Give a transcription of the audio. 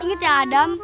ingat ya adam